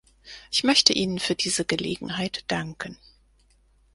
Ich möchte Ihnen für diese Gelegenheit danken.